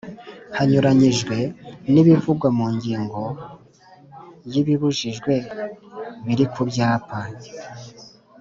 Hanyuranyijwe n ibivugwa mu ngingo ya ibibujijwe biri ku byapa